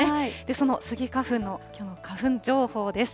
そのスギ花粉のきょうの花粉情報です。